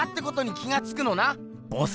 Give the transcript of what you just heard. ボス